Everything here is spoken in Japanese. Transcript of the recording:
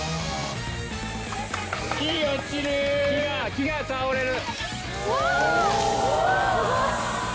・木が倒れる！